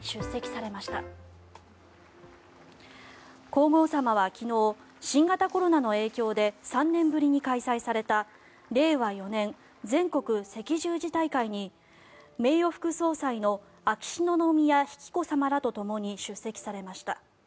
皇后さまは昨日新型コロナの影響で３年ぶりに開催された令和４年全国赤十字大会に名誉副総裁の秋篠宮妃・紀子さまらとともに出席されました。